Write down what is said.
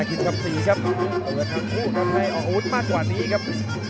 กินิชัยกลับมากกว่านี้ครับ